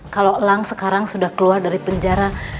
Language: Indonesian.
kalau elang sekarang sudah keluar dari penjara